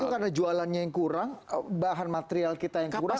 itu karena jualannya yang kurang bahan material kita yang kurang